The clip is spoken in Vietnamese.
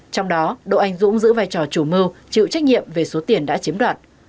trong đó đỗ anh dũng giữ vai trò chủ mưu chịu trách nhiệm về số tiền đã chiếm đoạt